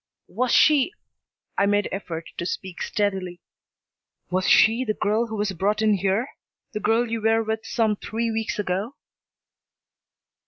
"Was she " I made effort to speak steadily. "Was she the girl who was brought in here? The girl you were with some three weeks ago?"